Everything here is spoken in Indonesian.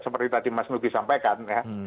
seperti tadi mas nugi sampaikan ya